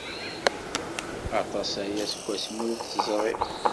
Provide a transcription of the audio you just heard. Aṭas aya seg wasmi ur t-teẓri.